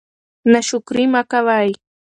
ناشکري مه کوئ.